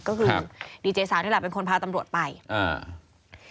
ก็คือดีเจสาวนี่แหละเป็นคนพาตำรวจไปอ่า